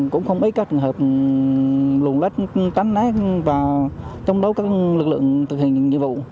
cũng không ít các trường hợp luồn lách tránh nát và chống đối các lực lượng thực hiện nhiệm vụ